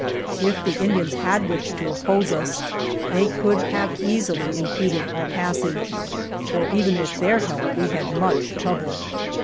If the Indians had wished to oppose us, they could have easily impeded our passage, for even with their help we had much trouble.